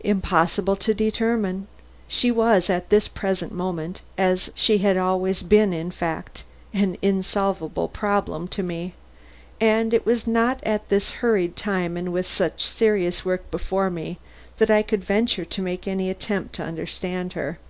Impossible to determine. She was at this present moment, as she had always been, in fact, an unsolvable problem to me, and it was not at this hurried time and with such serious work before me that I could venture to make any attempt to understand her.